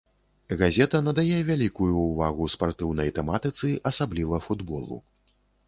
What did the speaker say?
Газета надае вялікую ўвагу спартыўнай тэматыцы, асабліва футболу.